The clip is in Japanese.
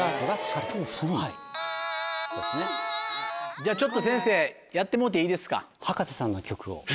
じゃあちょっと先生やってもろうていいですか？